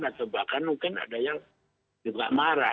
atau bahkan mungkin ada yang juga marah